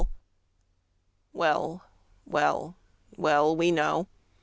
Well, well, well, we know!